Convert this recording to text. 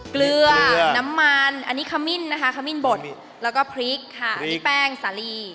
เกลือน้ำมันอันนี้ขมิ้นนะคะขมิ้นบดแล้วก็พริกค่ะอันนี้แป้งสาลี